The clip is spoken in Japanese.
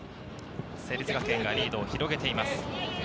成立学園がリードを広げています。